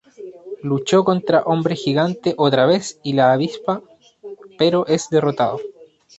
Luchó contra Hombre Gigante otra vez y la Avispa pero es derrotado.